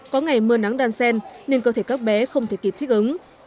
có ngày mưa nắng đan sen nên cơ thể các bé không thể kịp thích ứng